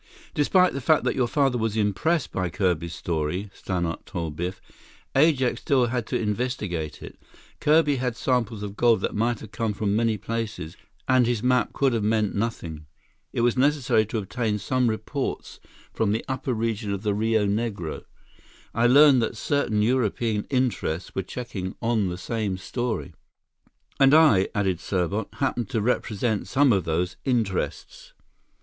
"Despite the fact that your father was impressed by Kirby's story," Stannart told Biff, "Ajax still had to investigate it. Kirby had samples of gold that might have come from many places, and his map could have meant nothing. It was necessary to obtain some reports from the upper region of the Rio Negro. I learned that certain European interests were checking on the same story." "And I," added Serbot, "happened to represent some of those interests."